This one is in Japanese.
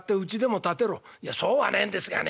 「いやそうはねえんですがね」。